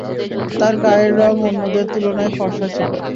তার গায়ের রং অন্যদের তুলনায় ফর্সা ছিল।